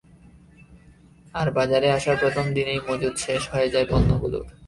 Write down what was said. আর বাজারে আসার প্রথম দিনেই মজুত শেষ হয়ে যায় পণ্যগুলোর।